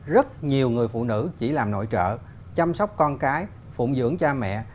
rất nhiều người phụ nữ chỉ làm nội trợ chăm sóc con cái phụng dưỡng cha mẹ